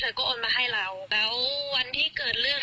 เพราะเขาเป็นคนบอกว่าเขาทวงบ่อยขนาดเนี้ย